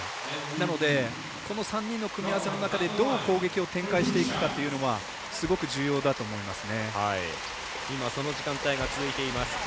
なのでこの３人の組み合わせの中でどう攻撃を展開していくかというのはすごく重要だと思います。